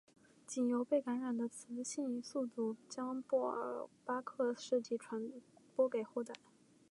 仅由被感染的雌性宿主把沃尔巴克氏体传播给后代。